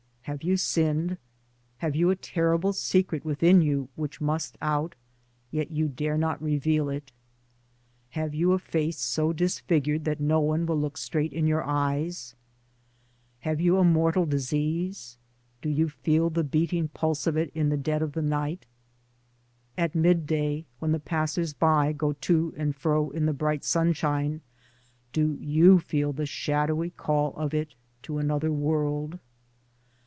Have you sinned ? have you a terrible secret within you which must out, yet you dare not reveal it? Have you a face so disfigured that no one will look straight in your eyes? Towards Democracy 35 Have you a mortal disease ? do you feel the beating pulse of it in the dead of the night ? At midday when the passers by go to and fro in the bright sunshine, do you feel the shadowy call of it to another world?